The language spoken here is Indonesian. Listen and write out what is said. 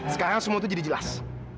sekarang semua itu jadi jelas